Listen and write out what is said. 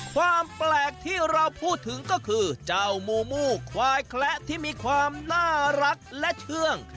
ความแปลกที่เราพูดถึงก็คือเจ้ามูมูควายแคละที่มีความน่ารักและเชื่อง